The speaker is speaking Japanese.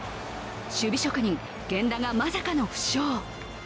守備職人、源田がまさかの負傷。